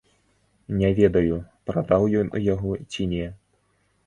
Не ведаю, прадаў ён яго ці не.